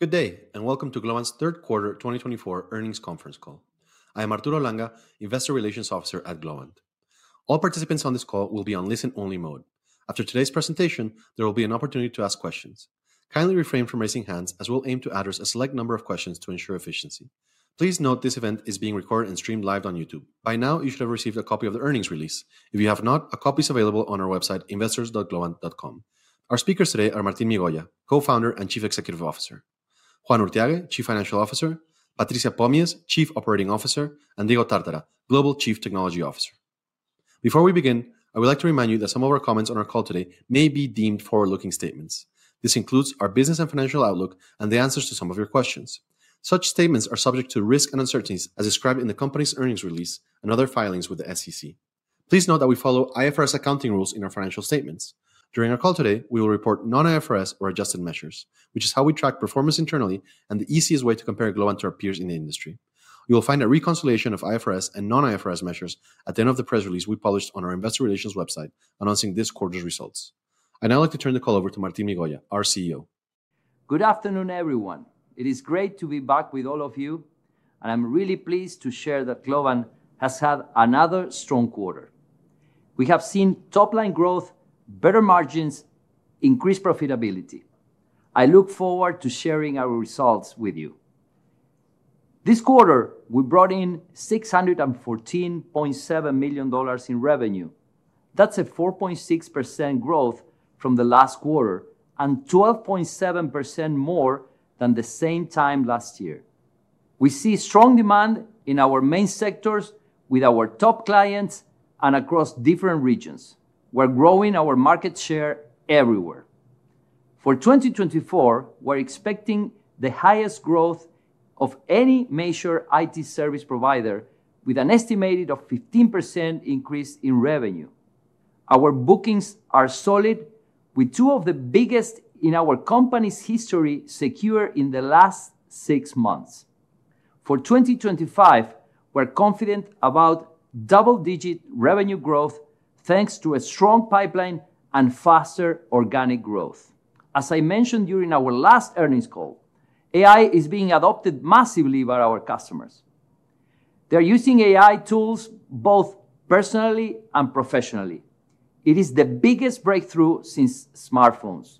Good day, and welcome to Globant's third quarter 2024 earnings conference call. I am Arturo Langa, Investor Relations Officer at Globant. All participants on this call will be on listen-only mode. After today's presentation, there will be an opportunity to ask questions. Kindly refrain from raising hands, as we'll aim to address a select number of questions to ensure efficiency. Please note this event is being recorded and streamed live on YouTube. By now, you should have received a copy of the earnings release. If you have not, a copy is available on our website, investors.globant.com. Our speakers today are Martín Migoya, Co-founder and Chief Executive Officer, Juan Urthiague, Chief Financial Officer, Patricia Pomies, Chief Operating Officer, and Diego Tártara, Global Chief Technology Officer. Before we begin, I would like to remind you that some of our comments on our call today may be deemed forward-looking statements. This includes our business and financial outlook and the answers to some of your questions. Such statements are subject to risk and uncertainties, as described in the company's earnings release and other filings with the SEC. Please note that we follow IFRS accounting rules in our financial statements. During our call today, we will report non-IFRS or adjusted measures, which is how we track performance internally and the easiest way to compare Globant to our peers in the industry. You will find a reconciliation of IFRS and non-IFRS measures at the end of the press release we published on our Investor Relations website, announcing this quarter's results. I'd now like to turn the call over to Martín Migoya, our CEO. Good afternoon, everyone. It is great to be back with all of you, and I'm really pleased to share that Globant has had another strong quarter. We have seen top-line growth, better margins, increased profitability. I look forward to sharing our results with you. This quarter, we brought in $614.7 million in revenue. That's a 4.6% growth from the last quarter and 12.7% more than the same time last year. We see strong demand in our main sectors, with our top clients, and across different regions. We're growing our market share everywhere. For 2024, we're expecting the highest growth of any major IT service provider, with an estimated 15% increase in revenue. Our bookings are solid, with two of the biggest in our company's history secured in the last six months. For 2025, we're confident about double-digit revenue growth, thanks to a strong pipeline and faster organic growth. As I mentioned during our last earnings call, AI is being adopted massively by our customers. They're using AI tools both personally and professionally. It is the biggest breakthrough since smartphones.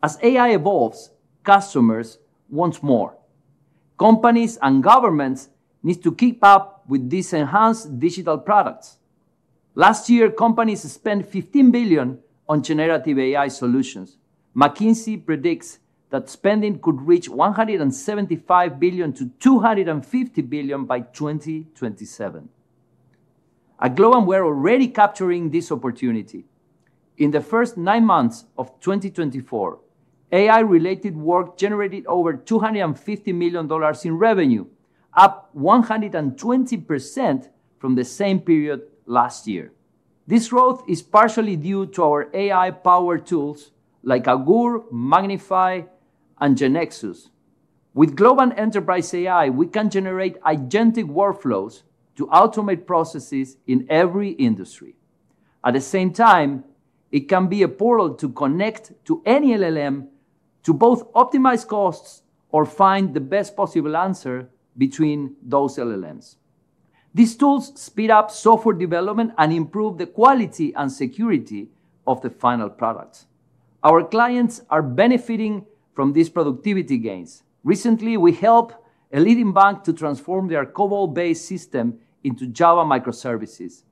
As AI evolves, customers want more. Companies and governments need to keep up with these enhanced digital products. Last year, companies spent $15 billion on generative AI solutions. McKinsey predicts that spending could reach $175 billion-$250 billion by 2027. At Globant, we're already capturing this opportunity. In the first nine months of 2024, AI-related work generated over $250 million in revenue, up 120% from the same period last year. This growth is partially due to our AI-powered tools like Augoor, MagnifAI, and GeneXus. With Globant Enterprise AI, we can generate agentic workflows to automate processes in every industry. At the same time, it can be a portal to connect to any LLM to both optimize costs or find the best possible answer between those LLMs. These tools speed up software development and improve the quality and security of the final product. Our clients are benefiting from these productivity gains. Recently, we helped a leading bank to transform their COBOL-based system into Java microservices.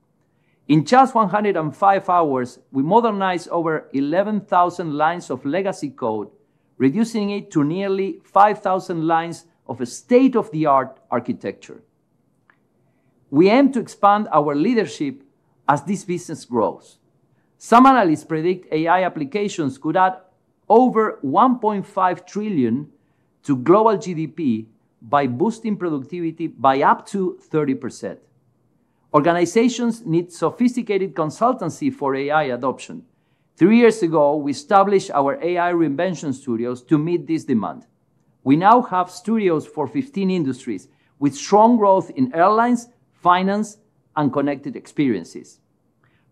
In just 105 hours, we modernized over 11,000 lines of legacy code, reducing it to nearly 5,000 lines of a state-of-the-art architecture. We aim to expand our leadership as this business grows. Some analysts predict AI applications could add over $1.5 trillion to global GDP by boosting productivity by up to 30%. Organizations need sophisticated consultancy for AI adoption. Three years ago, we established our AI reinvention studios to meet this demand. We now have studios for 15 industries, with strong growth in airlines, finance, and connected experiences.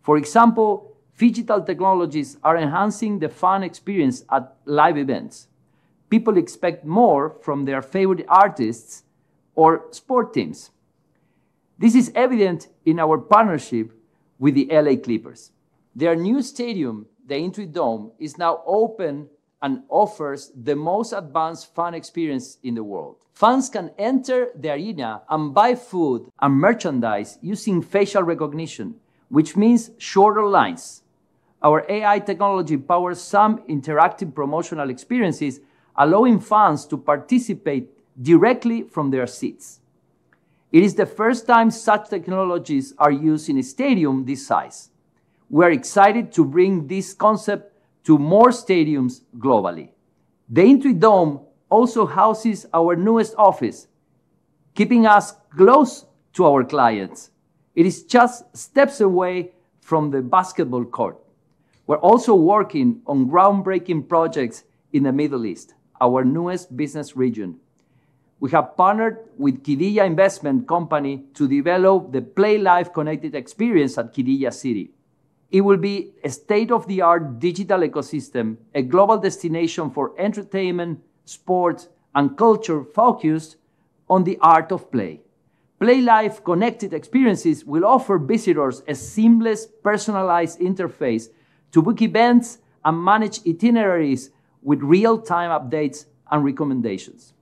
For example, phygital technologies are enhancing the fun experience at live events. People expect more from their favorite artists or sport teams. This is evident in our partnership with the LA Clippers. Their new stadium, the Intuit Dome, is now open and offers the most advanced fun experience in the world. Fans can enter the arena and buy food and merchandise using facial recognition, which means shorter lines. Our AI technology powers some interactive promotional experiences, allowing fans to participate directly from their seats. It is the first time such technologies are used in a stadium this size. We're excited to bring this concept to more stadiums globally. The Intuit Dome also houses our newest office, keeping us close to our clients. It is just steps away from the basketball court. We're also working on groundbreaking projects in the Middle East, our newest business region. We have partnered with Qiddiya Investment Company to develop the Play Life connected experience at Qiddiya City. It will be a state-of-the-art digital ecosystem, a global destination for entertainment, sports, and culture focused on the art of play. Play Life connected experiences will offer visitors a seamless, personalized interface to book events and manage itineraries with real-time updates and recommendations.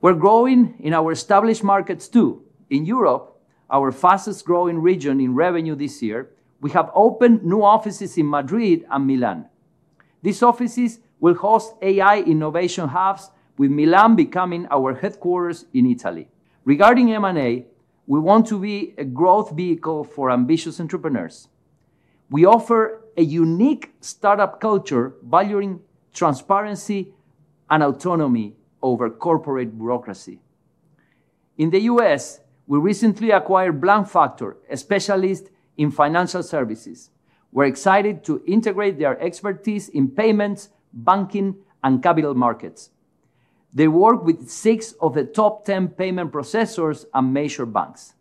We're growing in our established markets too. In Europe, our fastest-growing region in revenue this year, we have opened new offices in Madrid and Milan. These offices will host AI innovation hubs, with Milan becoming our headquarters in Italy. Regarding M&A, we want to be a growth vehicle for ambitious entrepreneurs. We offer a unique startup culture valuing transparency and autonomy over corporate bureaucracy. In the US, we recently acquired Blankfactor, a specialist in financial services. We're excited to integrate their expertise in payments, banking, and capital markets. They work with six of the top 10 payment processors and major banks.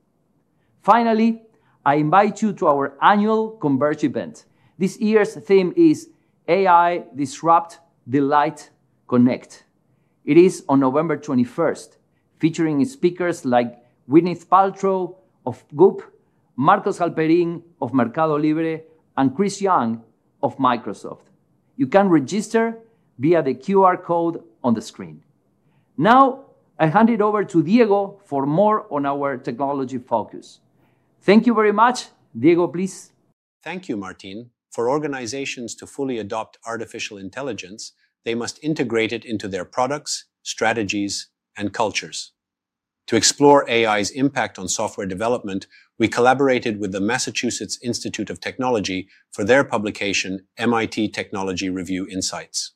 Finally, I invite you to our annual Converge event. This year's theme is AI, Disrupt, Delight, Connect. It is on November 21st, featuring speakers like Gwyneth Paltrow of Goop, Marcos Galperin of Mercado Libre, and Chris Young of Microsoft. You can register via the QR code on the screen. Now, I hand it over to Diego for more on our technology focus. Thank you very much. Diego, please. Thank you, Martín. For organizations to fully adopt artificial intelligence, they must integrate it into their products, strategies, and cultures. To explore AI's impact on software development, we collaborated with the Massachusetts Institute of Technology for their publication, MIT Technology Review Insights.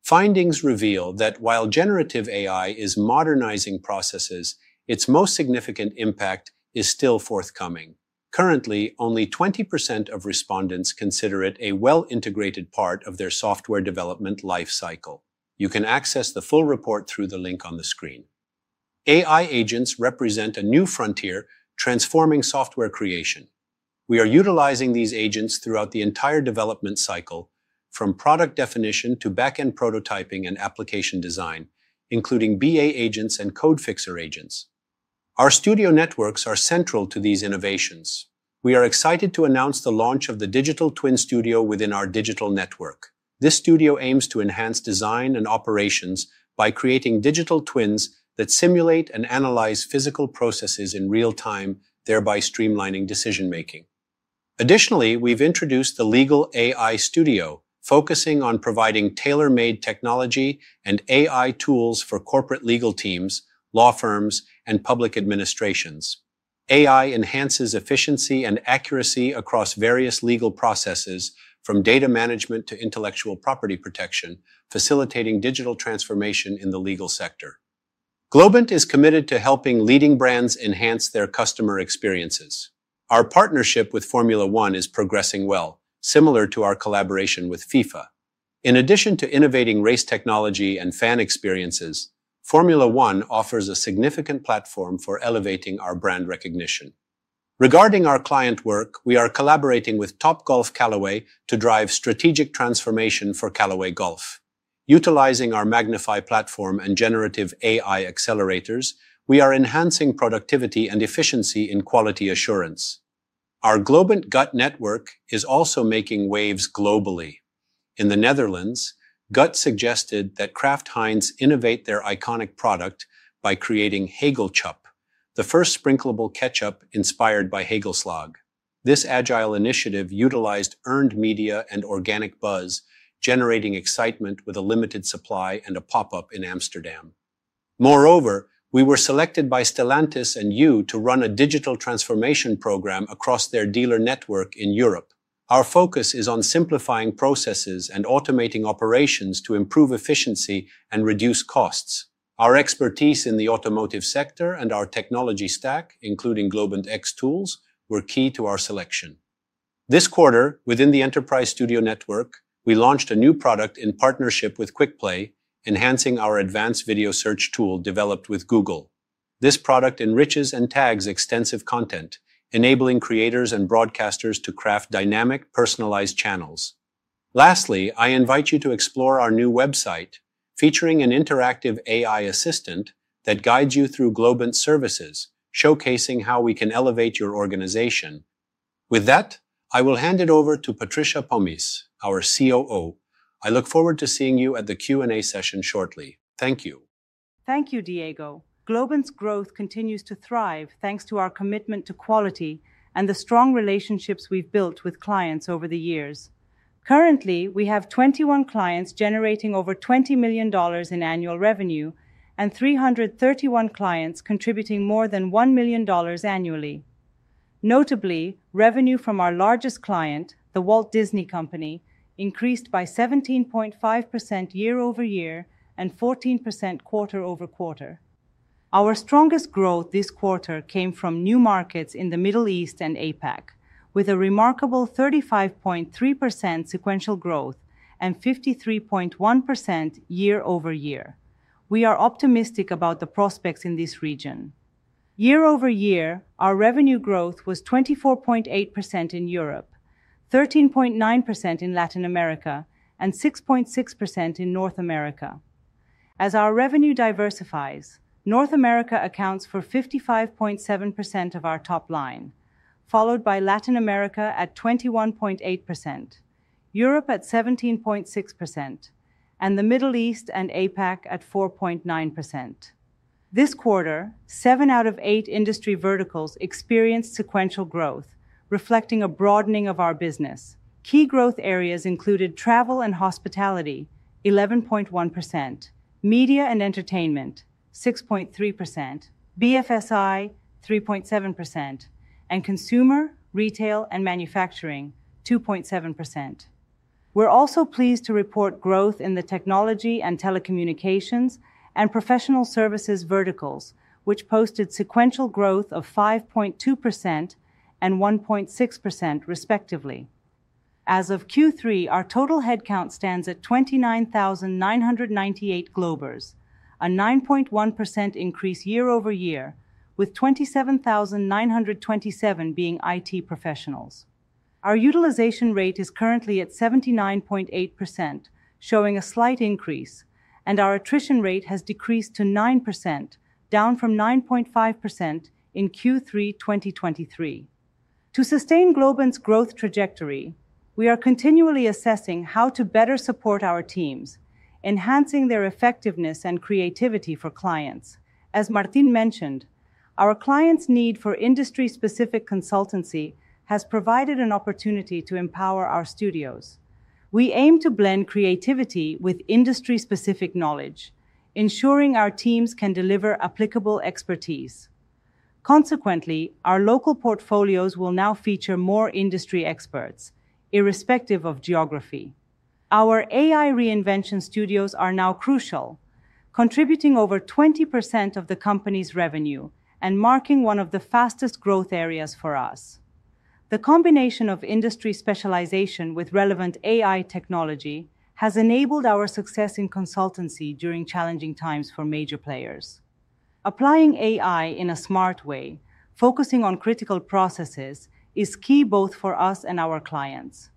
Findings reveal that while generative AI is modernizing processes, its most significant impact is still forthcoming. Currently, only 20% of respondents consider it a well-integrated part of their software development lifecycle. You can access the full report through the link on the screen. AI agents represent a new frontier transforming software creation. We are utilizing these agents throughout the entire development cycle, from product definition to back-end prototyping and application design, including BA agents and code fixer agents. Our studio networks are central to these innovations. We are excited to announce the launch of the Digital Twin Studio within our digital network. This studio aims to enhance design and operations by creating digital twins that simulate and analyze physical processes in real time, thereby streamlining decision-making. Additionally, we've introduced the Legal AI Studio, focusing on providing tailor-made technology and AI tools for corporate legal teams, law firms, and public administrations. AI enhances efficiency and accuracy across various legal processes, from data management to intellectual property protection, facilitating digital transformation in the legal sector. Globant is committed to helping leading brands enhance their customer experiences. Our partnership with Formula 1 is progressing well, similar to our collaboration with FIFA. In addition to innovating race technology and fan experiences, Formula 1 offers a significant platform for elevating our brand recognition. Regarding our client work, we are collaborating with Topgolf Callaway to drive strategic transformation for Callaway Golf. Utilizing our MagnifAI platform and generative AI accelerators, we are enhancing productivity and efficiency in quality assurance. Our Globant GUT network is also making waves globally. In the Netherlands, GUT suggested that Kraft Heinz innovate their iconic product by creating Hagelchup, the first sprinklable ketchup inspired by hagelslag. This agile initiative utilized earned media and organic buzz, generating excitement with a limited supply and a pop-up in Amsterdam. Moreover, we were selected by Stellantis &You to run a digital transformation program across their dealer network in Europe. Our focus is on simplifying processes and automating operations to improve efficiency and reduce costs. Our expertise in the automotive sector and our technology stack, including Globant X tools, were key to our selection. This quarter, within the Enterprise Studio network, we launched a new product in partnership with Quickplay, enhancing our advanced video search tool developed with Google. This product enriches and tags extensive content, enabling creators and broadcasters to craft dynamic, personalized channels. Lastly, I invite you to explore our new website, featuring an interactive AI assistant that guides you through Globant's services, showcasing how we can elevate your organization. With that, I will hand it over to Patricia Pomies, our COO. I look forward to seeing you at the Q&A session shortly. Thank you. Thank you, Diego. Globant's growth continues to thrive thanks to our commitment to quality and the strong relationships we've built with clients over the years. Currently, we have 21 clients generating over $20 million in annual revenue and 331 clients contributing more than $1 million annually. Notably, revenue from our largest client, The Walt Disney Company, increased by 17.5% year-over-year and 14% quarter-over-quarter. Our strongest growth this quarter came from new markets in the Middle East and APAC, with a remarkable 35.3% sequential growth and 53.1% year-over-year. We are optimistic about the prospects in this region. year-over-year, our revenue growth was 24.8% in Europe, 13.9% in Latin America, and 6.6% in North America. As our revenue diversifies, North America accounts for 55.7% of our top line, followed by Latin America at 21.8%, Europe at 17.6%, and the Middle East and APAC at 4.9%. This quarter, seven out of eight industry verticals experienced sequential growth, reflecting a broadening of our business. Key growth areas included travel and hospitality (11.1%), media and entertainment (6.3%), BFSI (3.7%), and consumer, retail, and manufacturing (2.7%). We're also pleased to report growth in the technology and telecommunications and professional services verticals, which posted sequential growth of 5.2% and 1.6%, respectively. As of Q3, our total headcount stands at 29,998 Globers, a 9.1% increase year-over-year, with 27,927 being IT professionals. Our utilization rate is currently at 79.8%, showing a slight increase, and our attrition rate has decreased to 9%, down from 9.5% in Q3 2023. To sustain Globant's growth trajectory, we are continually assessing how to better support our teams, enhancing their effectiveness and creativity for clients. As Martín mentioned, our clients' need for industry-specific consultancy has provided an opportunity to empower our studios. We aim to blend creativity with industry-specific knowledge, ensuring our teams can deliver applicable expertise. Consequently, our local portfolios will now feature more industry experts, irrespective of geography. Our AI reinvention studios are now crucial, contributing over 20% of the company's revenue and marking one of the fastest growth areas for us. The combination of industry specialization with relevant AI technology has enabled our success in consultancy during challenging times for major players. Applying AI in a smart way, focusing on critical processes, is key both for us and our clients.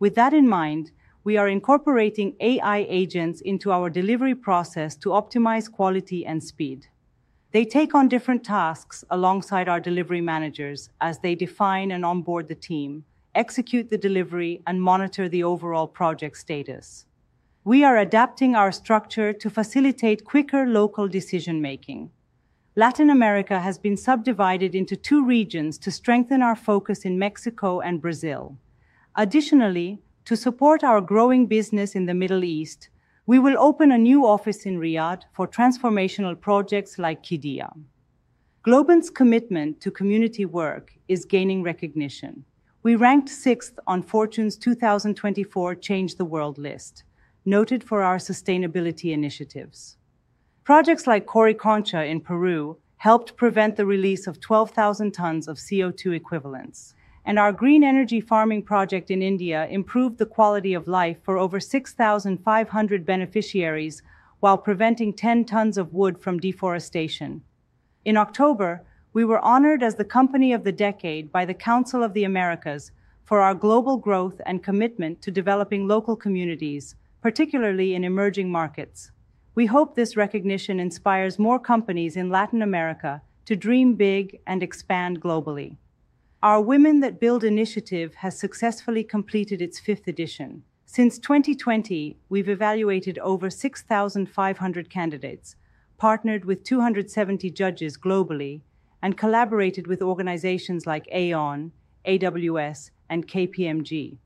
With that in mind, we are incorporating AI agents into our delivery process to optimize quality and speed. They take on different tasks alongside our delivery managers as they define and onboard the team, execute the delivery, and monitor the overall project status. We are adapting our structure to facilitate quicker local decision-making. Latin America has been subdivided into two regions to strengthen our focus in Mexico and Brazil. Additionally, to support our growing business in the Middle East, we will open a new office in Riyadh for transformational projects like Qiddiya. Globant's commitment to community work is gaining recognition. We ranked sixth on Fortune's 2024 Change the World list, noted for our sustainability initiatives. Projects like Qorikancha in Peru helped prevent the release of 12,000 tons of CO2 equivalents, and our green energy farming project in India improved the quality of life for over 6,500 beneficiaries while preventing 10 tons of wood from deforestation. In October, we were honored as the Company of the Decade by the Council of the Americas for our global growth and commitment to developing local communities, particularly in emerging markets. We hope this recognition inspires more companies in Latin America to dream big and expand globally. Our Women That Build initiative has successfully completed its fifth edition. Since 2020, we've evaluated over 6,500 candidates, partnered with 270 judges globally, and collaborated with organizations like AON, AWS, and KPMG.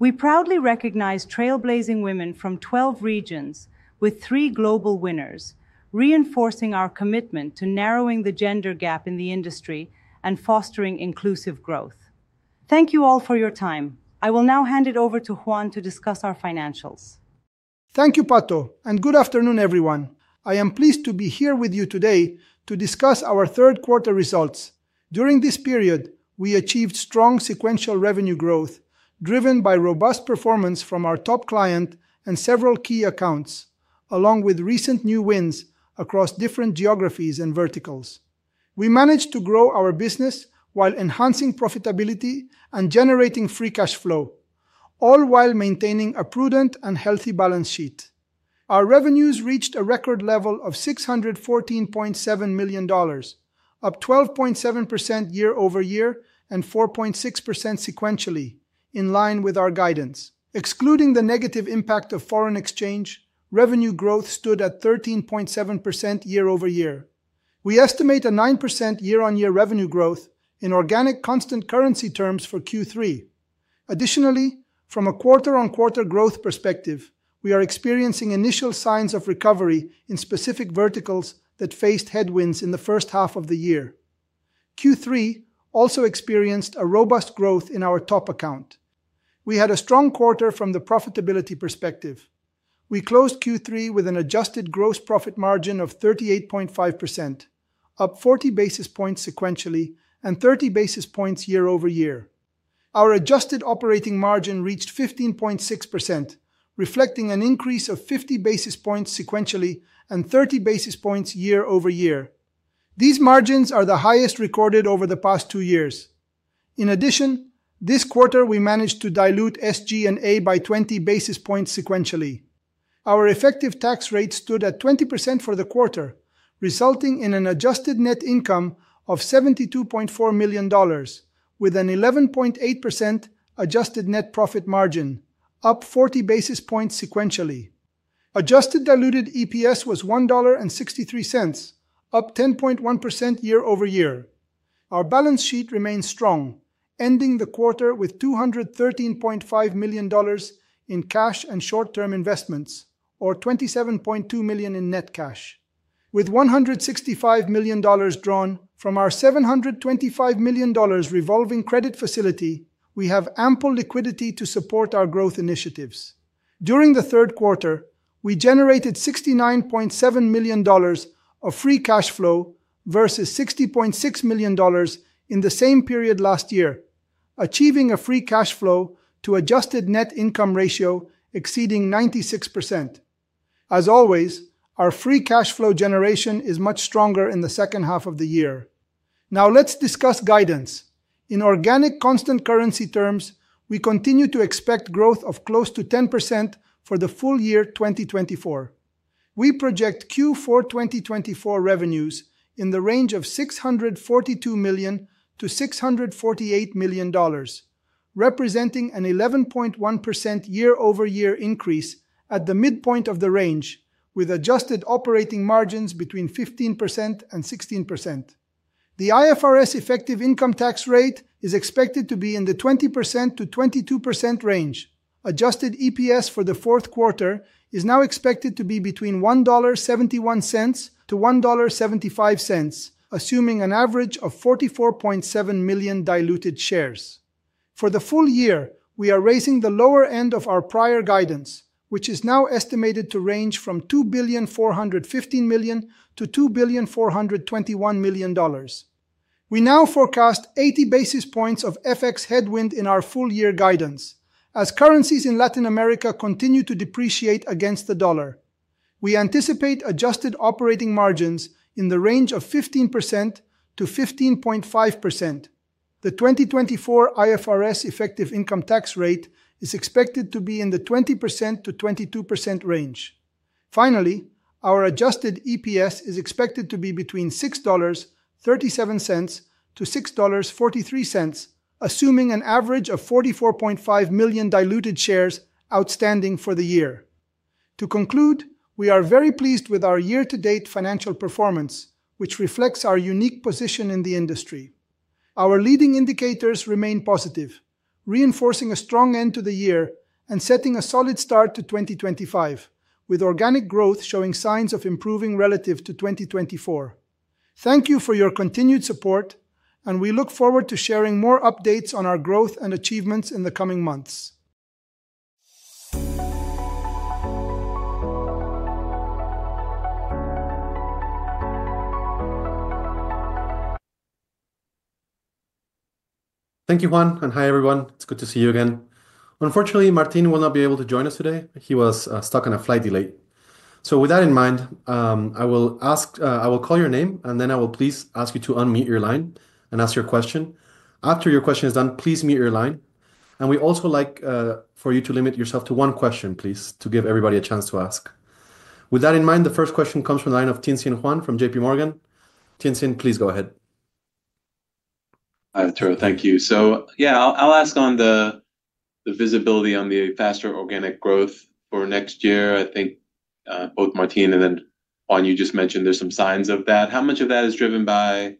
We proudly recognize trailblazing women from 12 regions, with three global winners, reinforcing our commitment to narrowing the gender gap in the industry and fostering inclusive growth. Thank you all for your time. I will now hand it over to Juan to discuss our financials. Thank you, Pato, and good afternoon, everyone. I am pleased to be here with you today to discuss our third quarter results. During this period, we achieved strong sequential revenue growth driven by robust performance from our top client and several key accounts, along with recent new wins across different geographies and verticals. We managed to grow our business while enhancing profitability and generating free cash flow, all while maintaining a prudent and healthy balance sheet. Our revenues reached a record level of $614.7 million, up 12.7% year-over-year and 4.6% sequentially, in line with our guidance. Excluding the negative impact of foreign exchange, revenue growth stood at 13.7% year-over-year. We estimate a 9% year-on-year revenue growth in organic constant currency terms for Q3. Additionally, from a quarter-on-quarter growth perspective, we are experiencing initial signs of recovery in specific verticals that faced headwinds in the first half of the year. Q3 also experienced a robust growth in our top account. We had a strong quarter from the profitability perspective. We closed Q3 with an adjusted gross profit margin of 38.5%, up 40 basis points sequentially and 30 basis points year-over-year. Our adjusted operating margin reached 15.6%, reflecting an increase of 50 basis points sequentially and 30 basis points year-over-year. These margins are the highest recorded over the past two years. In addition, this quarter we managed to dilute SG&A by 20 basis points sequentially. Our effective tax rate stood at 20% for the quarter, resulting in an adjusted net income of $72.4 million, with an 11.8% adjusted net profit margin, up 40 basis points sequentially. Adjusted diluted EPS was $1.63, up 10.1% year-over-year. Our balance sheet remains strong, ending the quarter with $213.5 million in cash and short-term investments, or $27.2 million in net cash. With $165 million drawn from our $725 million revolving credit facility, we have ample liquidity to support our growth initiatives. During the third quarter, we generated $69.7 million of free cash flow versus $60.6 million in the same period last year, achieving a free cash flow to adjusted net income ratio exceeding 96%. As always, our free cash flow generation is much stronger in the second half of the year. Now let's discuss guidance. In organic constant currency terms, we continue to expect growth of close to 10% for the FY 2024. We project Q4 2024 revenues in the range of $642 million-$648 million, representing an 11.1% year-over-year increase at the midpoint of the range, with adjusted operating margins between 15%-16%. The IFRS effective income tax rate is expected to be in the 20%-22% range. Adjusted EPS for the fourth quarter is now expected to be between $1.71-$1.75, assuming an average of 44.7 million diluted shares. For the full year, we are raising the lower end of our prior guidance, which is now estimated to range from $2,415 million-$2,421 million. We now forecast 80 basis points of FX headwind in our full year guidance, as currencies in Latin America continue to depreciate against the dollar. We anticipate adjusted operating margins in the range of 15%-15.5%. The 2024 IFRS effective income tax rate is expected to be in the 20%-22% range. Finally, our adjusted EPS is expected to be between $6.37-$6.43, assuming an average of 44.5 million diluted shares outstanding for the year. To conclude, we are very pleased with our year-to-date financial performance, which reflects our unique position in the industry. Our leading indicators remain positive, reinforcing a strong end to the year and setting a solid start to 2025, with organic growth showing signs of improving relative to 2024. Thank you for your continued support, and we look forward to sharing more updates on our growth and achievements in the coming months. Thank you, Juan, and hi everyone. It's good to see you again. Unfortunately, Martín will not be able to join us today. He was stuck on a flight delay. So with that in mind, I will ask, I will call your name, and then I will please ask you to unmute your line and ask your question. After your question is done, please mute your line. And we'd also like for you to limit yourself to one question, please, to give everybody a chance to ask. With that in mind, the first question comes from the line of Tien-tsin Huang from JPMorgan. Tien-tsin, please go ahead. Hi, Arturo. Thank you. So yeah, I'll ask on the visibility on the faster organic growth for next year. I think both Martín and then Juan, you just mentioned there's some signs of that. How much of that is driven by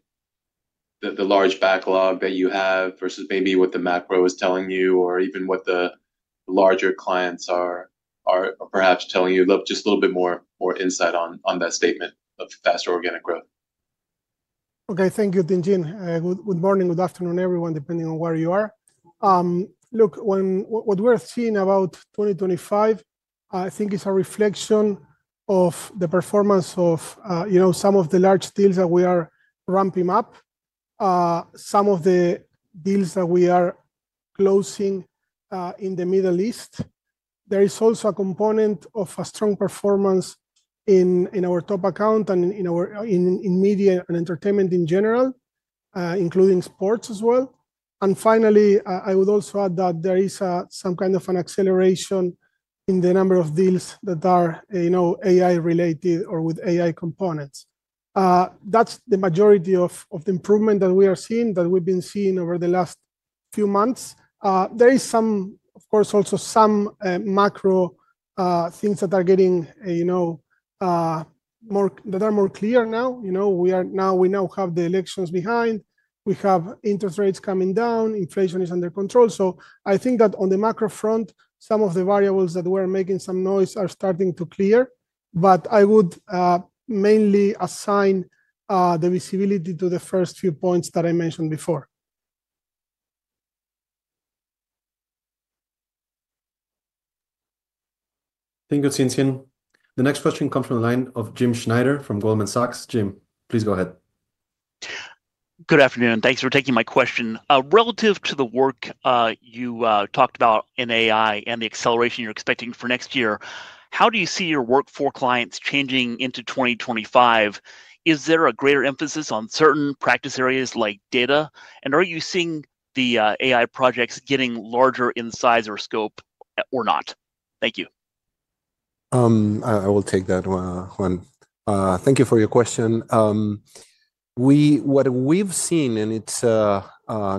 the large backlog that you have versus maybe what the macro is telling you or even what the larger clients are perhaps telling you? Just a little bit more insight on that statement of faster organic growth. Okay, thank you, Tien-tsin. Good morning, good afternoon, everyone, depending on where you are. Look, what we're seeing about 2025, I think, is a reflection of the performance of some of the large deals that we are ramping up, some of the deals that we are closing in the Middle East. There is also a component of a strong performance in our top account and in media and entertainment in general, including sports as well. And finally, I would also add that there is some kind of an acceleration in the number of deals that are AI-related or with AI components. That's the majority of the improvement that we are seeing, that we've been seeing over the last few months. There is some, of course, also some macro things that are getting more that are more clear now. We now have the elections behind. We have interest rates coming down. Inflation is under control. So I think that on the macro front, some of the variables that were making some noise are starting to clear. But I would mainly assign the visibility to the first few points that I mentioned before. Thank you, Tien-tsin. The next question comes from the line of Jim Schneider from Goldman Sachs. Jim, please go ahead. Good afternoon, and thanks for taking my question. Relative to the work you talked about in AI and the acceleration you're expecting for next year, how do you see your work for clients changing into 2025? Is there a greater emphasis on certain practice areas like data? And are you seeing the AI projects getting larger in size or scope or not? Thank you. I will take that, Juan. Thank you for your question. What we've seen, and it's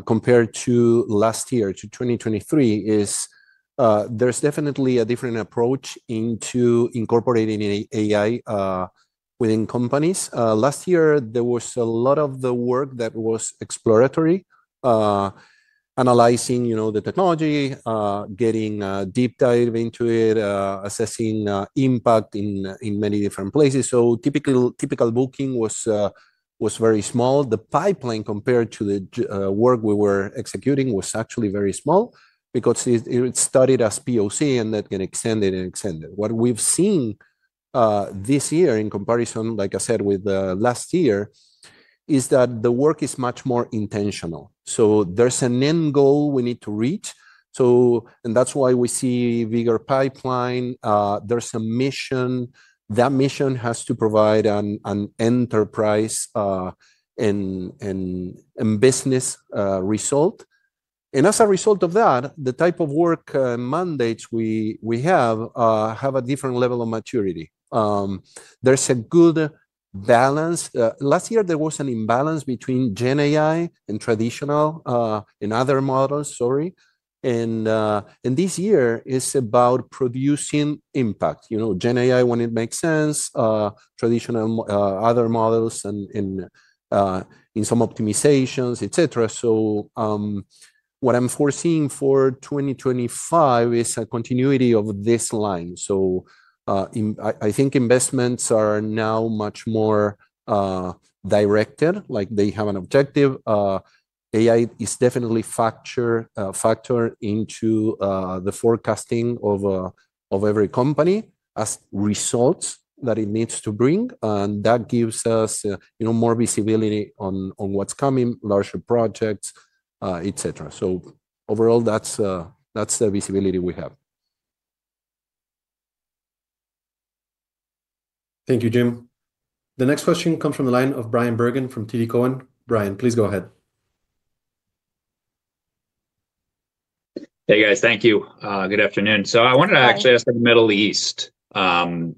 compared to last year, to 2023, is there's definitely a different approach into incorporating AI within companies. Last year, there was a lot of the work that was exploratory, analyzing the technology, getting a deep dive into it, assessing impact in many different places. So typical booking was very small. The pipeline compared to the work we were executing was actually very small because it started as POC and then can extend it and extend it. What we've seen this year in comparison, like I said, with last year, is that the work is much more intentional. So there's an end goal we need to reach. And that's why we see a bigger pipeline. There's a mission. That mission has to provide an enterprise and business result. And as a result of that, the type of work mandates we have a different level of maturity. There's a good balance. Last year, there was an imbalance between GenAI and traditional and other models, sorry. And this year is about producing impact. GenAI, when it makes sense, traditional other models and some optimizations, et cetera. So what I'm foreseeing for 2025 is a continuity of this line. So I think investments are now much more directed. They have an objective. AI is definitely a factor into the forecasting of every company as results that it needs to bring. And that gives us more visibility on what's coming, larger projects, et cetera. So overall, that's the visibility we have. Thank you, Jim. The next question comes from the line of Bryan Bergin from TD Cowen. Brian, please go ahead. Hey, guys. Thank you. Good afternoon. So I wanted to actually ask about the Middle East. Can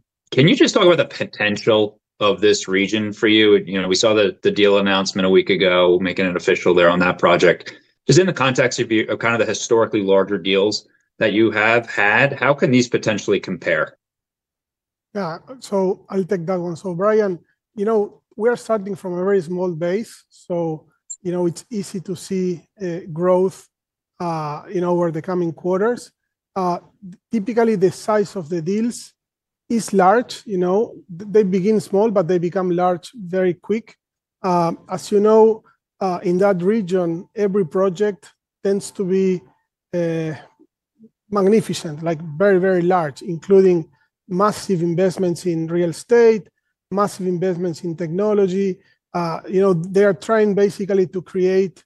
you just talk about the potential of this region for you? We saw the deal announcement a week ago, making it official there on that project. Just in the context of kind of the historically larger deals that you have had, how can these potentially compare? Yeah, so I'll take that one. So Brian, you know we are starting from a very small base. So you know it's easy to see growth in over the coming quarters. Typically, the size of the deals is large. They begin small, but they become large very quick. As you know, in that region, every project tends to be magnificent, like very, very large, including massive investments in real estate, massive investments in technology. They are trying basically to create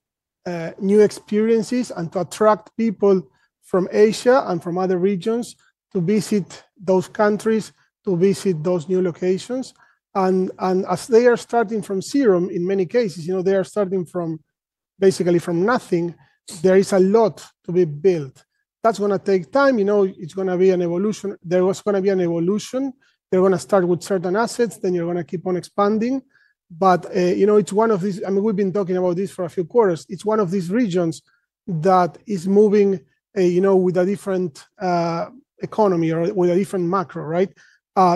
new experiences and to attract people from Asia and from other regions to visit those countries, to visit those new locations. And as they are starting from zero, in many cases, they are starting basically from nothing. There is a lot to be built. That's going to take time. It's going to be an evolution. There was going to be an evolution. They're going to start with certain assets. Then you're going to keep on expanding. But it's one of these, I mean, we've been talking about this for a few quarters. It's one of these regions that is moving with a different economy or with a different macro, right?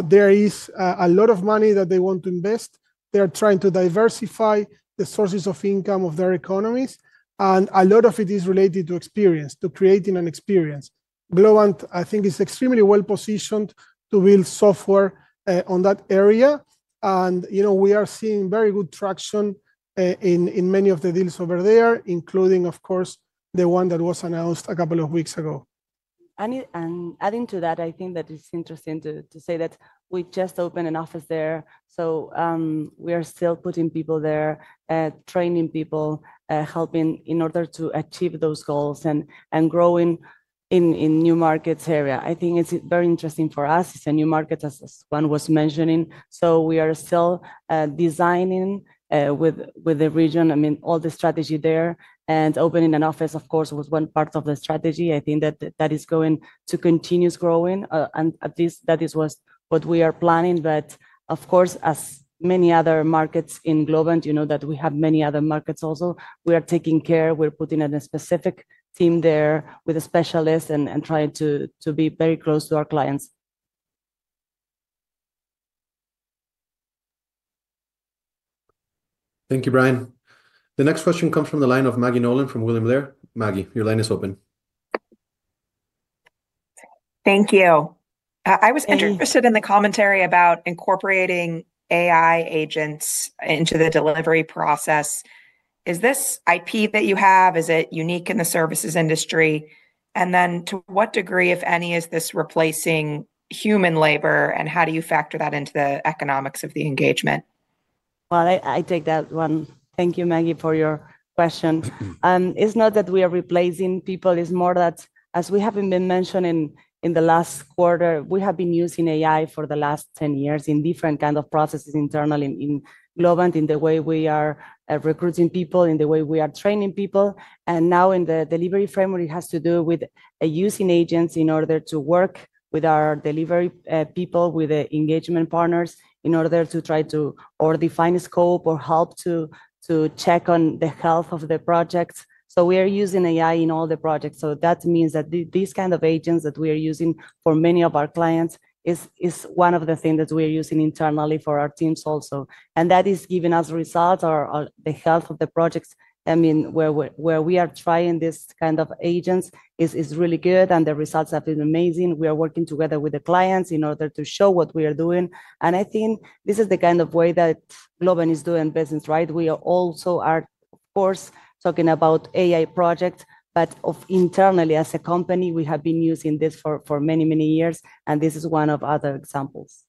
There is a lot of money that they want to invest. They are trying to diversify the sources of income of their economies. And a lot of it is related to experience, to creating an experience. Globant, I think, is extremely well positioned to build software on that area. And we are seeing very good traction in many of the deals over there, including, of course, the one that was announced a couple of weeks ago. And adding to that, I think that it's interesting to say that we just opened an office there. So we are still putting people there, training people, helping in order to achieve those goals and growing in new markets area. I think it's very interesting for us. It's a new market, as Juan was mentioning. So we are still designing with the region, I mean, all the strategy there. And opening an office, of course, was one part of the strategy. I think that that is going to continue growing. And at least that is what we are planning. But of course, as many other markets in Globant, you know that we have many other markets also. We are taking care. We're putting a specific team there with a specialist and trying to be very close to our clients. Thank you, Brian. The next question comes from the line of Maggie Nolan from William Blair. Maggie, your line is open. Thank you. I was interested in the commentary about incorporating AI agents into the delivery process. Is this IP that you have? Is it unique in the services industry? And then to what degree, if any, is this replacing human labor? And how do you factor that into the economics of the engagement? I take that one. Thank you, Maggie, for your question. It's not that we are replacing people. It's more that, as we have been mentioning in the last quarter, we have been using AI for the last 10 years in different kinds of processes internally in Globant, in the way we are recruiting people, in the way we are training people. Now in the delivery framework, it has to do with using agents in order to work with our delivery people, with the engagement partners in order to try to or define scope or help to check on the health of the projects. We are using AI in all the projects. That means that these kinds of agents that we are using for many of our clients is one of the things that we are using internally for our teams also. And that is giving us results. The health of the projects, I mean, where we are trying this kind of agents is really good. And the results have been amazing. We are working together with the clients in order to show what we are doing. And I think this is the kind of way that Globant is doing business, right? We also are, of course, talking about AI projects. But internally, as a company, we have been using this for many, many years. And this is one of other examples.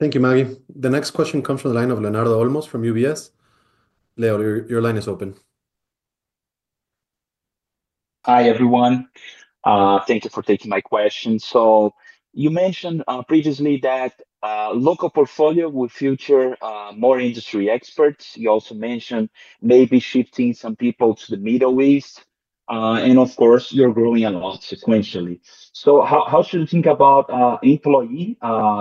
Thank you, Maggie. The next question comes from the line of Leonardo Olmos from UBS. Leo, your line is open. Hi, everyone. Thank you for taking my question. So you mentioned previously that local portfolio will feature more industry experts. You also mentioned maybe shifting some people to the Middle East. And of course, you're growing a lot sequentially. So how should you think about employee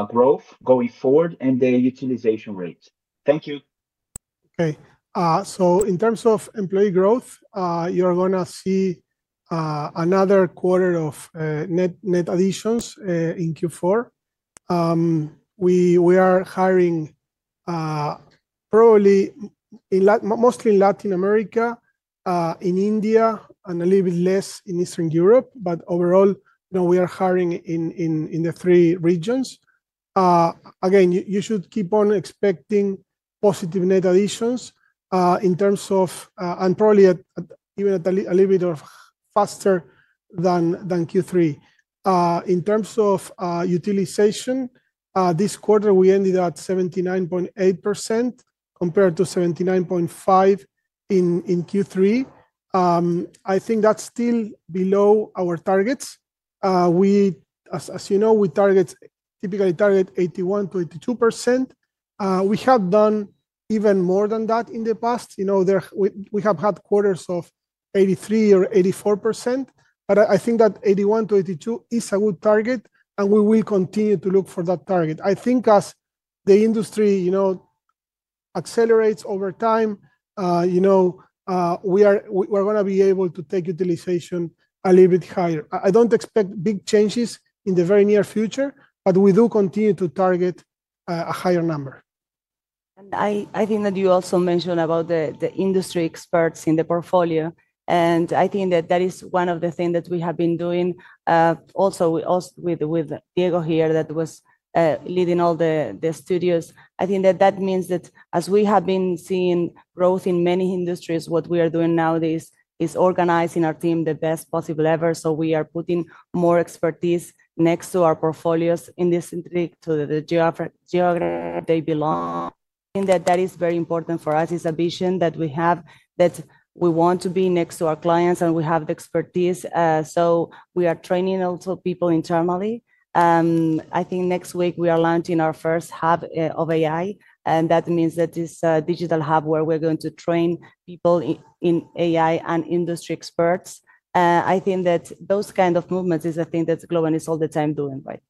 growth going forward and the utilization rate? Thank you. Okay. So in terms of employee growth, you're going to see another quarter of net additions in Q4. We are hiring probably mostly in Latin America, in India, and a little bit less in Eastern Europe. But overall, we are hiring in the three regions. Again, you should keep on expecting positive net additions in terms of, and probably even a little bit faster than Q3. In terms of utilization, this quarter, we ended at 79.8% compared to 79.5% in Q3. I think that's still below our targets. As you know, we typically target 81% to 82%. We have done even more than that in the past. We have had quarters of 83% or 84%. But I think that 81% to 82% is a good target. And we will continue to look for that target. I think as the industry accelerates over time, we are going to be able to take utilization a little bit higher. I don't expect big changes in the very near future, but we do continue to target a higher number. I think that you also mentioned about the industry experts in the portfolio. I think that that is one of the things that we have been doing. Also, with Diego here, that was leading all the studios. I think that that means that as we have been seeing growth in many industries, what we are doing nowadays is organizing our team the best possible ever. We are putting more expertise next to our portfolios in this industry to the geography they belong. I think that that is very important for us. It's a vision that we have that we want to be next to our clients and we have the expertise. We are training also people internally. I think next week, we are launching our first hub of AI. That means that this digital hub where we're going to train people in AI and industry experts. I think that those kinds of movements is a thing that Globant is all the time doing, right?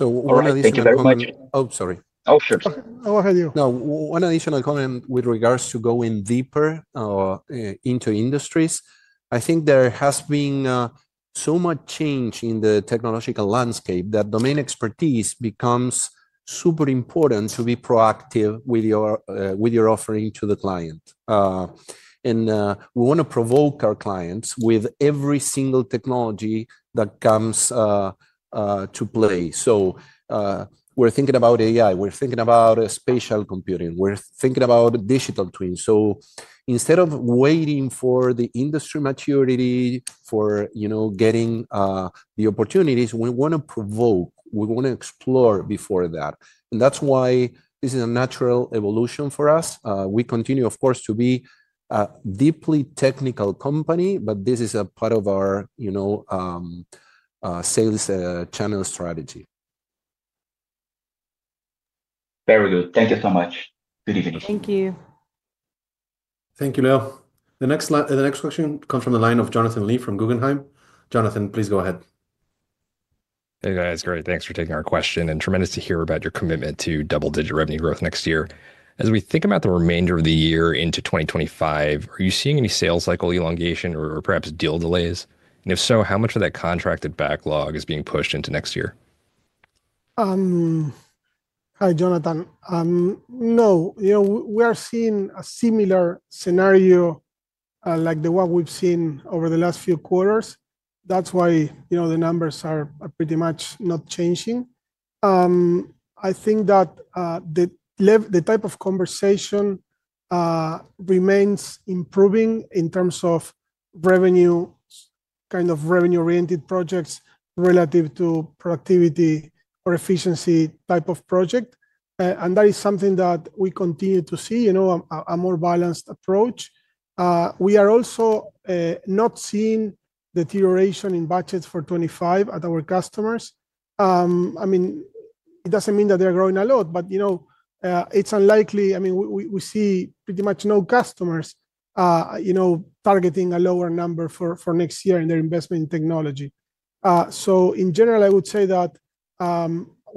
One additional. Thank you very much. Oh, sorry. Oh, sure. Go ahead, you. No, one additional comment with regards to going deeper into industries. I think there has been so much change in the technological landscape that domain expertise becomes super important to be proactive with your offering to the client. And we want to provoke our clients with every single technology that comes to play. So we're thinking about AI. We're thinking about spatial computing. We're thinking about digital twins. So instead of waiting for the industry maturity for getting the opportunities, we want to provoke. We want to explore before that. And that's why this is a natural evolution for us. We continue, of course, to be a deeply technical company, but this is a part of our sales channel strategy. Very good. Thank you so much. Good evening. Thank you. Thank you, Leo. The next question comes from the line of Jonathan Lee from Guggenheim. Jonathan, please go ahead. Hey, guys. Great. Thanks for taking our question. And tremendous to hear about your commitment to double-digit revenue growth next year. As we think about the remainder of the year into 2025, are you seeing any sales cycle elongation or perhaps deal delays? And if so, how much of that contracted backlog is being pushed into next year? Hi, Jonathan. No, we are seeing a similar scenario like the one we've seen over the last few quarters. That's why the numbers are pretty much not changing. I think that the type of conversation remains improving in terms of revenue, kind of revenue-oriented projects relative to productivity or efficiency type of project. And that is something that we continue to see, a more balanced approach. We are also not seeing deterioration in budgets for 2025 at our customers. I mean, it doesn't mean that they're growing a lot, but it's unlikely. I mean, we see pretty much no customers targeting a lower number for next year in their investment in technology. So in general, I would say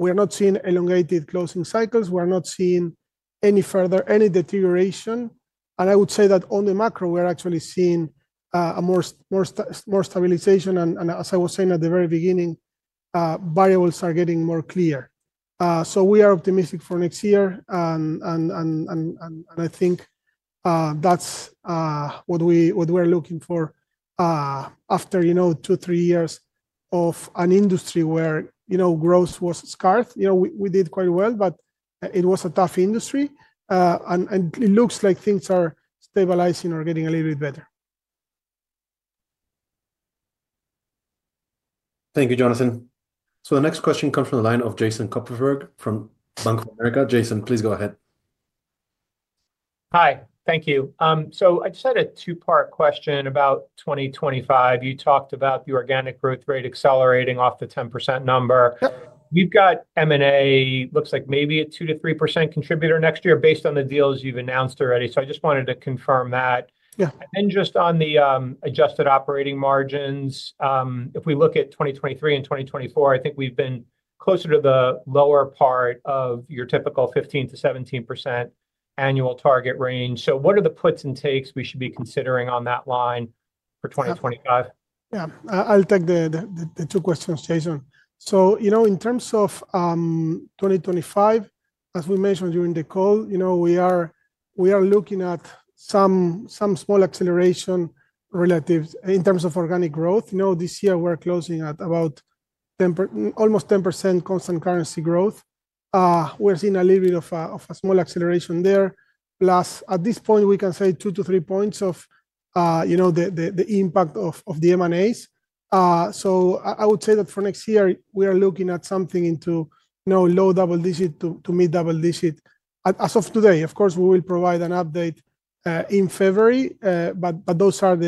that we are not seeing elongated closing cycles. We are not seeing any further deterioration. And I would say that on the macro, we are actually seeing a more stabilization. And as I was saying at the very beginning, variables are getting more clear. So we are optimistic for next year. And I think that's what we are looking for after two, three years of an industry where growth was scarce. We did quite well, but it was a tough industry. And it looks like things are stabilizing or getting a little bit better. Thank you, Jonathan. So the next question comes from the line of Jason Kupferberg from Bank of America. Jason, please go ahead. Hi. Thank you. So I just had a two-part question about 2025. You talked about the organic growth rate accelerating off the 10% number. We've got M&A, looks like maybe a 2%-3% contributor next year based on the deals you've announced already. So I just wanted to confirm that. And then just on the adjusted operating margins, if we look at 2023 and 2024, I think we've been closer to the lower part of your typical 15%-17% annual target range. So what are the puts and takes we should be considering on that line for 2025? Yeah. I'll take the two questions, Jason. So in terms of 2025, as we mentioned during the call, we are looking at some small acceleration relative in terms of organic growth. This year, we're closing at about almost 10% constant currency growth. We're seeing a little bit of a small acceleration there. Plus, at this point, we can say two to three points of the impact of the M&As. So I would say that for next year, we are looking at something into low double digit to mid double digit. As of today, of course, we will provide an update in February. But those are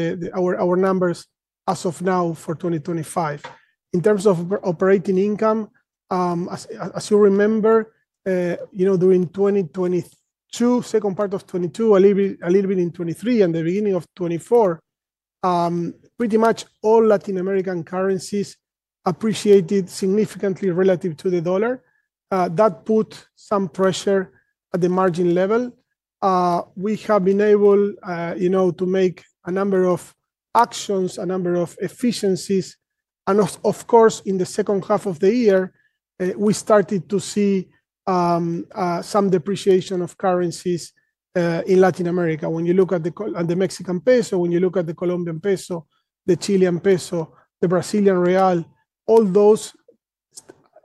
our numbers as of now for 2025. In terms of operating income, as you remember, during 2022, second part of 2022, a little bit in 2023, and the beginning of 2024, pretty much all Latin American currencies appreciated significantly relative to the dollar. That put some pressure at the margin level. We have been able to make a number of actions, a number of efficiencies. And of course, in the second half of the year, we started to see some depreciation of currencies in Latin America. When you look at the Mexican peso, when you look at the Colombian peso, the Chilean peso, the Brazilian real, all those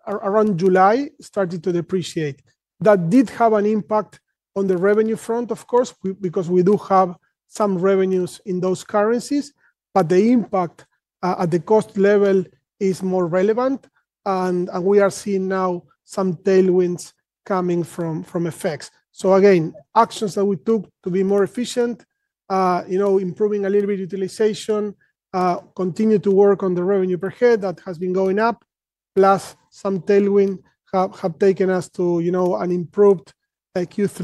around July started to depreciate. That did have an impact on the revenue front, of course, because we do have some revenues in those currencies. But the impact at the cost level is more relevant. And we are seeing now some tailwinds coming from effects. So again, actions that we took to be more efficient, improving a little bit utilization, continue to work on the revenue per head that has been going up, plus some tailwinds have taken us to an improved Q3.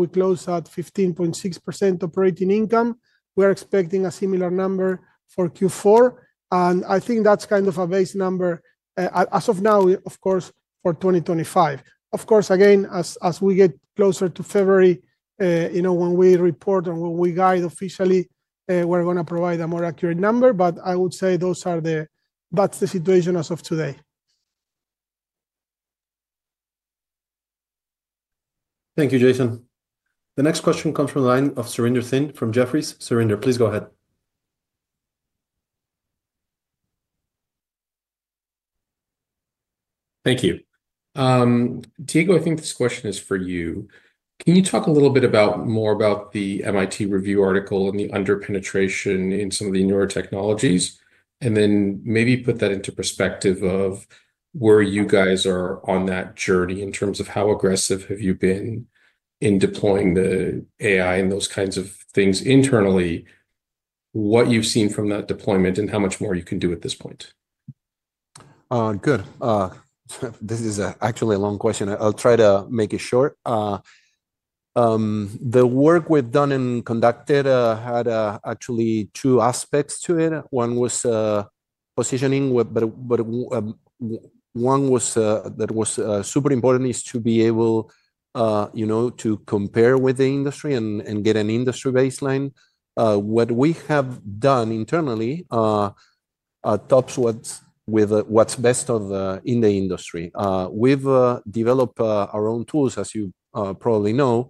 We closed at 15.6% operating income. We are expecting a similar number for Q4, and I think that's kind of a base number as of now, of course, for 2025. Of course, again, as we get closer to February, when we report and when we guide officially, we're going to provide a more accurate number, but I would say that's the situation as of today. Thank you, Jason. The next question comes from the line of Surinder Thind from Jefferies. Surinder, please go ahead. Thank you. Diego, I think this question is for you. Can you talk a little bit more about the MIT Technology Review article and the under-penetration in some of the newer technologies? And then maybe put that into perspective of where you guys are on that journey in terms of how aggressive have you been in deploying the AI and those kinds of things internally, what you've seen from that deployment, and how much more you can do at this point? Good. This is actually a long question. I'll try to make it short. The work we've done and conducted had actually two aspects to it. One was positioning. But one that was super important is to be able to compare with the industry and get an industry baseline. What we have done internally tops what's best in the industry. We've developed our own tools, as you probably know,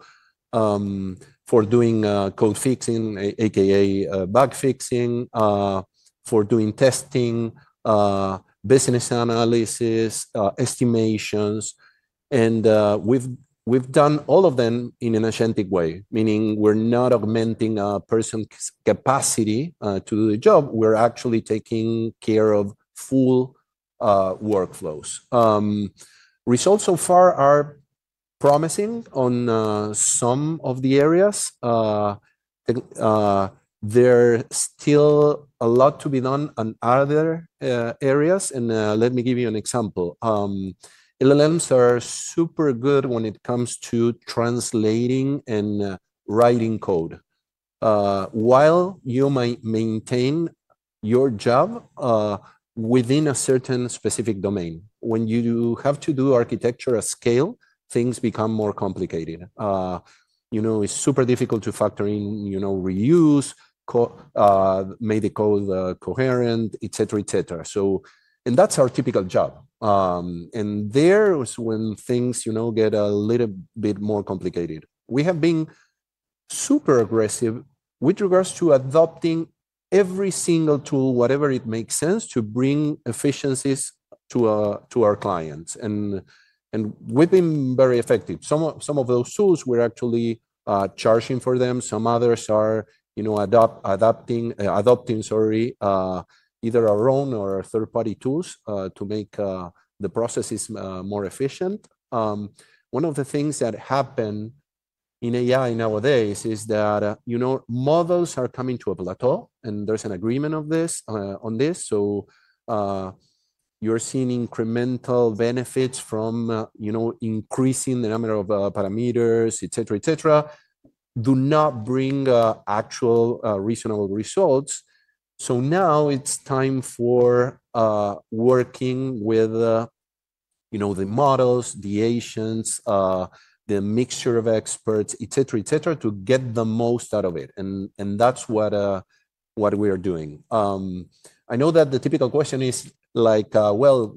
for doing code fixing, a.k.a. bug fixing, for doing testing, business analysis, estimations. And we've done all of them in an agentic way, meaning we're not augmenting a person's capacity to do the job. We're actually taking care of full workflows. Results so far are promising on some of the areas. There's still a lot to be done on other areas. And let me give you an example. LLMs are super good when it comes to translating and writing code. While you might maintain your job within a certain specific domain, when you have to do architecture at scale, things become more complicated. It's super difficult to factor in reuse, make the code coherent, et cetera, et cetera. And that's our typical job. And there is when things get a little bit more complicated. We have been super aggressive with regards to adopting every single tool, whatever it makes sense, to bring efficiencies to our clients. And we've been very effective. Some of those tools, we're actually charging for them. Some others are adopting, sorry, either our own or third-party tools to make the processes more efficient. One of the things that happen in AI nowadays is that models are coming to a plateau. And there's an agreement on this. So you're seeing incremental benefits from increasing the number of parameters, et cetera, et cetera. Do not bring actual reasonable results. So now it's time for working with the models, the agents, the mixture of experts, et cetera, et cetera, to get the most out of it. And that's what we are doing. I know that the typical question is like, well,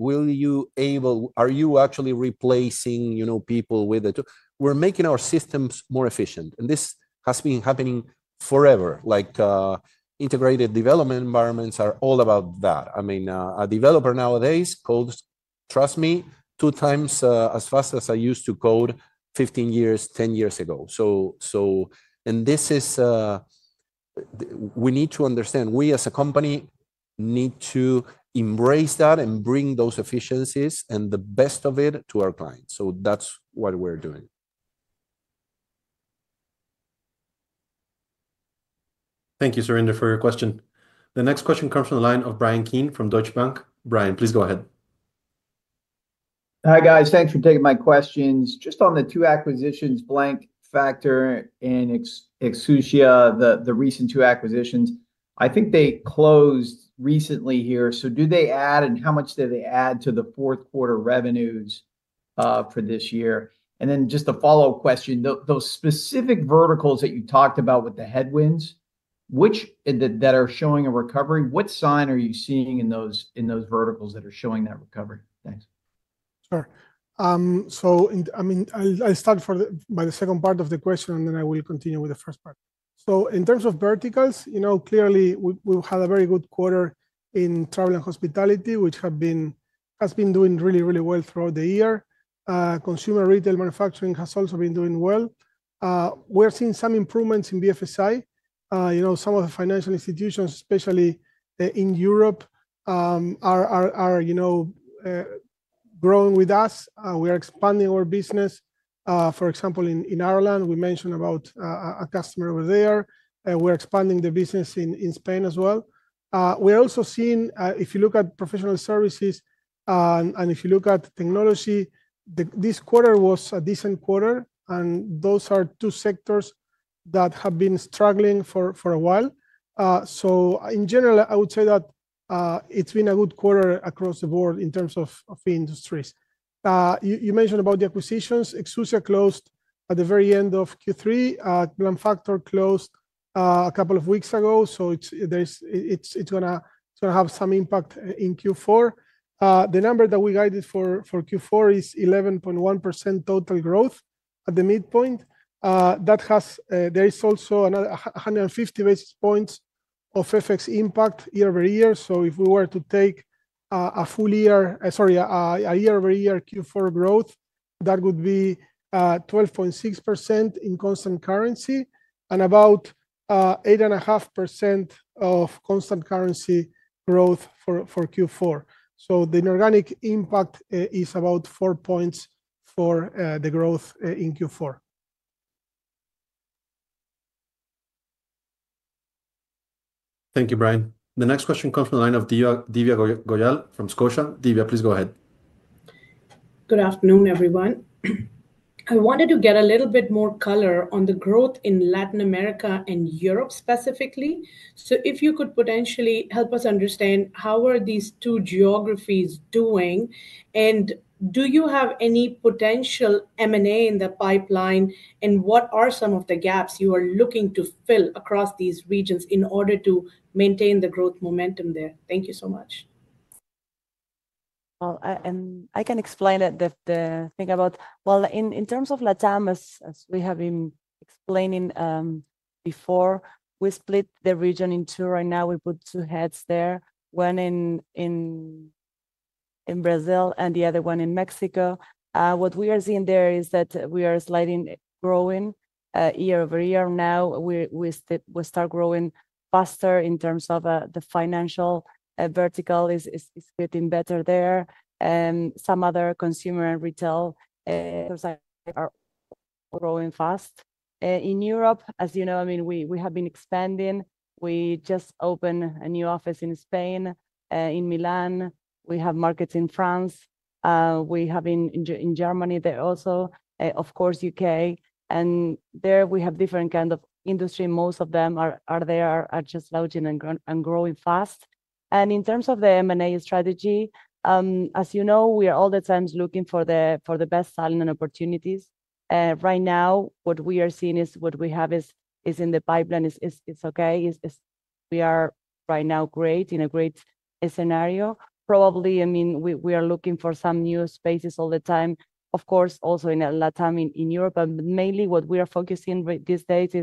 are you actually replacing people with the tool? We're making our systems more efficient. And this has been happening forever. Integrated development environments are all about that. I mean, a developer nowadays codes, trust me, two times as fast as I used to code 15 years, 10 years ago. And we need to understand. We, as a company, need to embrace that and bring those efficiencies and the best of it to our clients. So that's what we're doing. Thank you, Surinder, for your question. The next question comes from the line of Bryan Keane from Deutsche Bank. Bryan, please go ahead. Hi, guys. Thanks for taking my questions. Just on the two acquisitions, Blankfactor and Exusia, the recent two acquisitions, I think they closed recently here. So do they add, and how much did they add to the fourth quarter revenues for this year? And then just a follow-up question, those specific verticals that you talked about with the headwinds that are showing a recovery, what sign are you seeing in those verticals that are showing that recovery? Thanks. Sure. So I mean, I'll start by the second part of the question, and then I will continue with the first part. So in terms of verticals, clearly, we've had a very good quarter in travel and hospitality, which has been doing really, really well throughout the year. Consumer retail manufacturing has also been doing well. We're seeing some improvements in BFSI. Some of the financial institutions, especially in Europe, are growing with us. We are expanding our business. For example, in Ireland, we mentioned about a customer over there. We're expanding the business in Spain as well. We're also seeing, if you look at professional services and if you look at technology, this quarter was a decent quarter. And those are two sectors that have been struggling for a while. So in general, I would say that it's been a good quarter across the board in terms of industries. You mentioned about the acquisitions. Exusia closed at the very end of Q3. Blankfactor closed a couple of weeks ago. So it's going to have some impact in Q4. The number that we guided for Q4 is 11.1% total growth at the midpoint. There is also 150 basis points of effects impact year-over-year. So if we were to take a full year, sorry, a year-over-year Q4 growth, that would be 12.6% in constant currency and about 8.5% of constant currency growth for Q4. So the organic impact is about four points for the growth in Q4. Thank you, Brian. The next question comes from the line of Divya Goyal from Scotiabank. Divya, please go ahead. Good afternoon, everyone. I wanted to get a little bit more color on the growth in Latin America and Europe specifically. So if you could potentially help us understand how are these two geographies doing, and do you have any potential M&A in the pipeline, and what are some of the gaps you are looking to fill across these regions in order to maintain the growth momentum there? Thank you so much. And I can explain it. The thing about, well, in terms of LATAM, as we have been explaining before, we split the region in two. Right now, we put two heads there, one in Brazil and the other one in Mexico. What we are seeing there is that we are steadily growing year-over-year. Now, we start growing faster in terms of the financial vertical is getting better there. And some other consumer and retail are growing fast. In Europe, as you know, I mean, we have been expanding. We just opened a new office in Spain, in Madrid. We have markets in France. We have been in Germany also, of course, U.K. And there we have different kinds of industry. Most of them are just leading and growing fast. In terms of the M&A strategy, as you know, we are all the time looking for the best selling opportunities. Right now, what we are seeing is what we have is in the pipeline. It's okay. We are right now great in a great scenario. Probably, I mean, we are looking for some new spaces all the time, of course, also in LATAM in Europe. But mainly, what we are focusing these days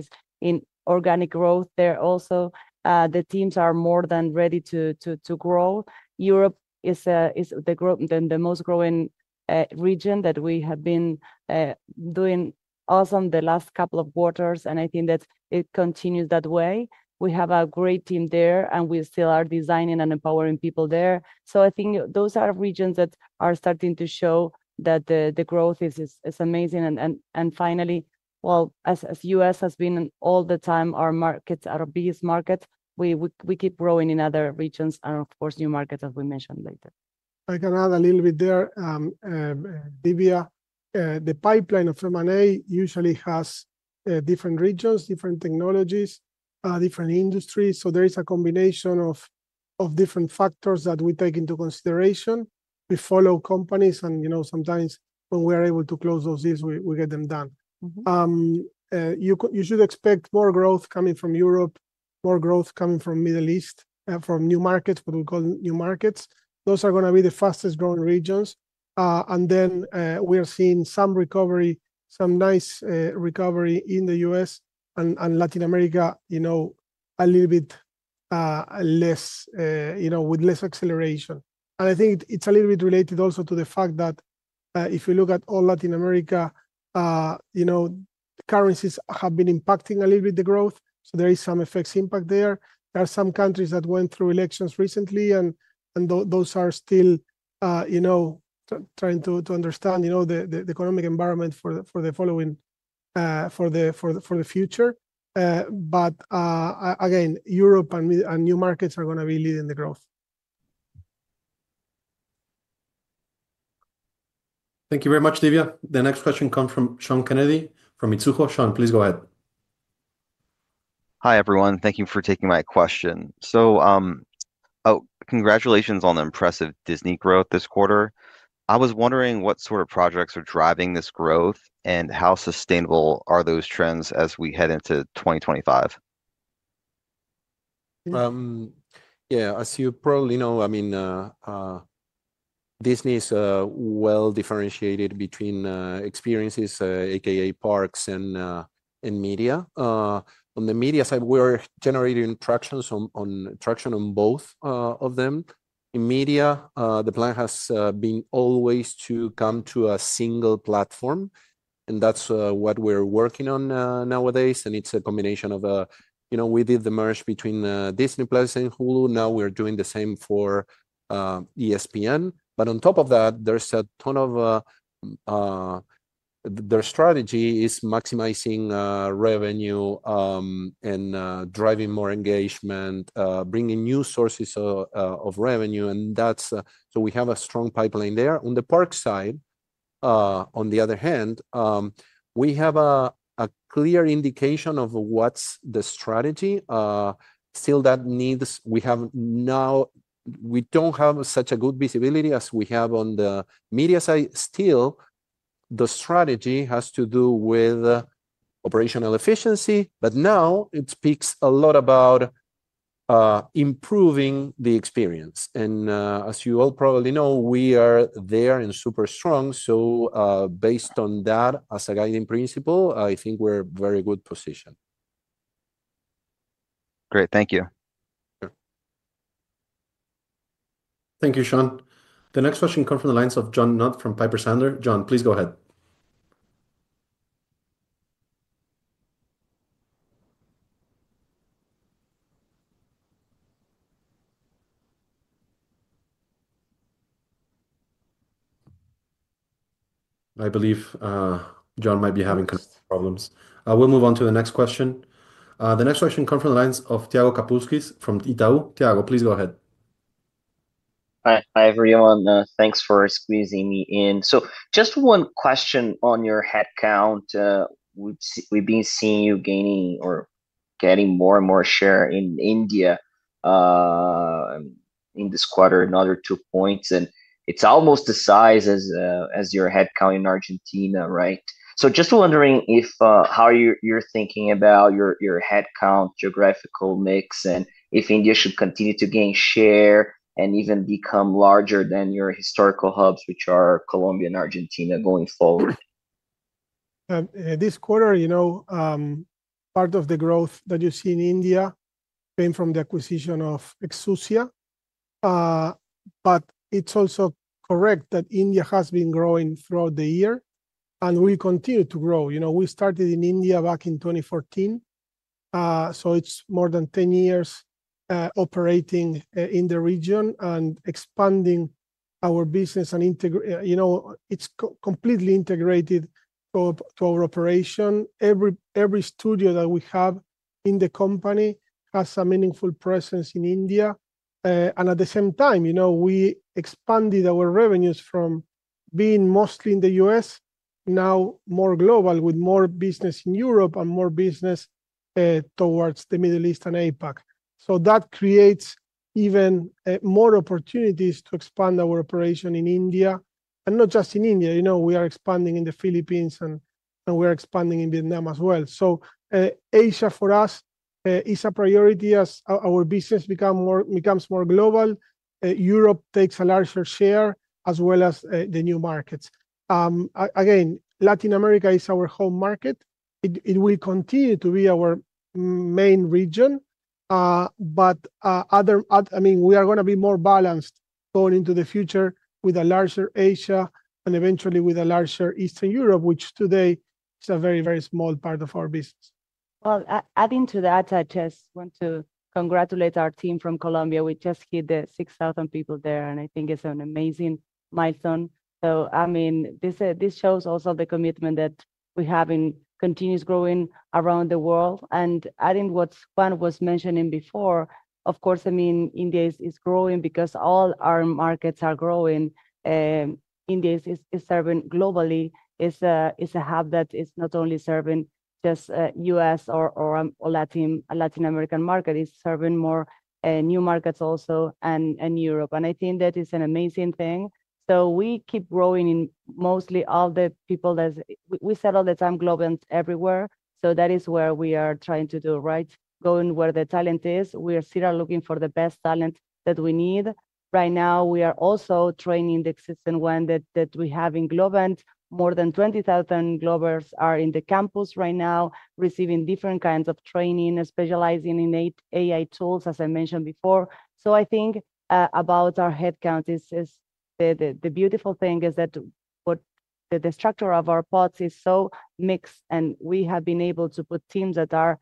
is in organic growth. There also, the teams are more than ready to grow. Europe is the most growing region that we have been doing awesome the last couple of quarters. I think that it continues that way. We have a great team there, and we still are designing and empowering people there. I think those are regions that are starting to show that the growth is amazing. And finally, well, as the U.S. has been all the time, our markets are our biggest market. We keep growing in other regions and, of course, new markets, as we mentioned later. I can add a little bit there, Divya. The pipeline of M&A usually has different regions, different technologies, different industries. So there is a combination of different factors that we take into consideration. We follow companies. And sometimes when we are able to close those deals, we get them done. You should expect more growth coming from Europe, more growth coming from the Middle East, from new markets, what we call new markets. Those are going to be the fastest growing regions. And then we are seeing some recovery, some nice recovery in the U.S. and Latin America, a little bit less with less acceleration. And I think it's a little bit related also to the fact that if you look at all Latin America, currencies have been impacting a little bit the growth. So there is some effects impact there. There are some countries that went through elections recently, and those are still trying to understand the economic environment for the future, but again, Europe and new markets are going to be leading the growth. Thank you very much, Divya. The next question comes from Sean Kennedy from Mizuho. Sean, please go ahead. Hi, everyone. Thank you for taking my question. So congratulations on the impressive Disney growth this quarter. I was wondering what sort of projects are driving this growth and how sustainable are those trends as we head into 2025? Yeah. As you probably know, I mean, Disney is well differentiated between experiences, a.k.a. parks and media. On the media side, we are generating traction on both of them. In media, the plan has been always to come to a single platform, and that's what we're working on nowadays. And it's a combination of we did the merge between Disney+ and Hulu. Now we're doing the same for ESPN. But on top of that, there's a ton of their strategy is maximizing revenue and driving more engagement, bringing new sources of revenue. And so we have a strong pipeline there. On the park side, on the other hand, we have a clear indication of what's the strategy. Still, that needs we don't have such a good visibility as we have on the media side. Still, the strategy has to do with operational efficiency. But now it speaks a lot about improving the experience. And as you all probably know, we are there and super strong. So based on that, as a guiding principle, I think we're in a very good position. Great. Thank you. Thank you, Sean. The next question comes from the line of John Nutt from Piper Sandler. John, please go ahead. I believe John might be having some problems. I will move on to the next question. The next question comes from the line of Thiago Kapulskis from Itaú. Thiago, please go ahead. Hi, everyone. Thanks for squeezing me in. So just one question on your headcount. We've been seeing you getting more and more share in India in this quarter, another two points. And it's almost the size as your headcount in Argentina, right? So just wondering how you're thinking about your headcount, geographical mix, and if India should continue to gain share and even become larger than your historical hubs, which are Colombia and Argentina, going forward. This quarter, part of the growth that you see in India came from the acquisition of Exusia. But it's also correct that India has been growing throughout the year and will continue to grow. We started in India back in 2014. So it's more than 10 years operating in the region and expanding our business. It's completely integrated to our operation. Every studio that we have in the company has a meaningful presence in India. And at the same time, we expanded our revenues from being mostly in the U.S., now more global with more business in Europe and more business towards the Middle East and APAC. So that creates even more opportunities to expand our operation in India. And not just in India. We are expanding in the Philippines, and we are expanding in Vietnam as well. So Asia for us is a priority as our business becomes more global. Europe takes a larger share as well as the new markets. Again, Latin America is our home market. It will continue to be our main region. But I mean, we are going to be more balanced going into the future with a larger Asia and eventually with a larger Eastern Europe, which today is a very, very small part of our business. Well, adding to that, I just want to congratulate our team from Colombia. We just hit the 6,000 people there, and I think it's an amazing milestone. So I mean, this shows also the commitment that we have in continuous growing around the world. And adding what Juan was mentioning before, of course, I mean, India is growing because all our markets are growing. India is serving globally. It's a hub that is not only serving just U.S. or Latin American market. It's serving more new markets also in Europe. And I think that is an amazing thing. So we keep growing in mostly all the people that we set all the time Globant everywhere. So that is where we are trying to do, right? Going where the talent is. We are still looking for the best talent that we need. Right now, we are also training the existing one that we have in Globant. More than 20,000 Globers are in the campus right now, receiving different kinds of training, specializing in AI tools, as I mentioned before. So I think about our headcount, the beautiful thing is that the structure of our pods is so mixed, and we have been able to put teams that are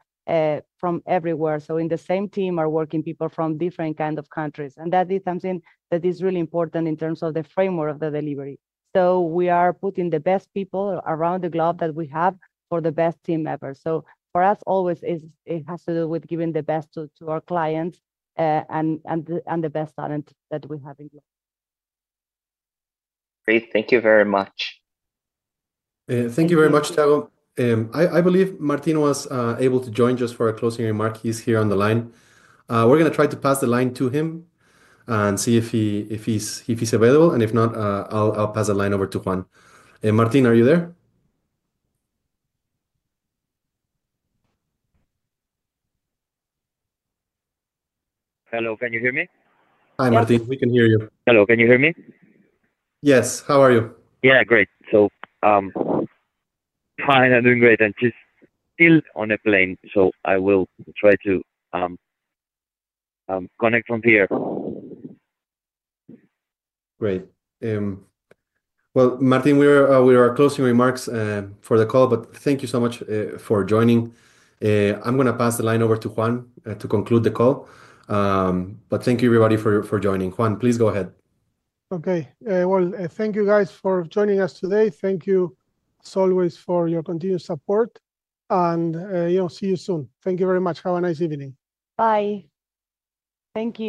from everywhere. So in the same team are working people from different kinds of countries. And that is something that is really important in terms of the framework of the delivery. So we are putting the best people around the globe that we have for the best team ever. So for us, always it has to do with giving the best to our clients and the best talent that we have in Globant. Great. Thank you very much. Thank you very much, Thiago. I believe Martín was able to join just for a closing remark. He's here on the line. We're going to try to pass the line to him and see if he's available, and if not, I'll pass the line over to Juan, and Martín, are you there? Hello. Can you hear me? Hi, Martín. We can hear you. Hello. Can you hear me? Yes. How are you? Yeah, great. So, fine. I'm doing great. And she's still on a plane. So I will try to connect from here. Great. Well, Martín, we are closing remarks for the call, but thank you so much for joining. I'm going to pass the line over to Juan to conclude the call. But thank you, everybody, for joining. Juan, please go ahead. Okay. Well, thank you, guys, for joining us today. Thank you, as always, for your continued support. And see you soon. Thank you very much. Have a nice evening. Bye. Thank you.